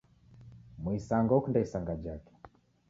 Muisanga okunda isanga jake.